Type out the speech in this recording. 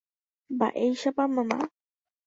Mba'éichapa mama